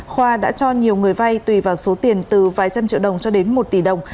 khoa đã cho nhiều người vay tùy vào số tiền từ vài trăm triệu đồng cho đến một tỷ đồng